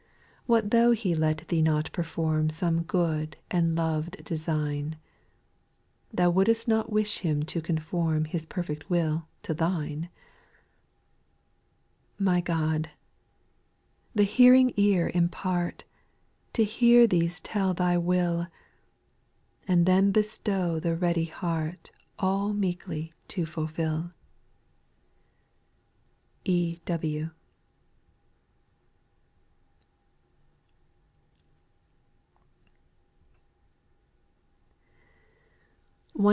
143 3. What though He let thee not perform Some good and loved design ? Thou would'st not wish Him to conform His perfect will to thine I 4* My God I the hearing ear impart, To hear These tell Thy will, And then bestow the ready heart All meekly to fulfil. 108.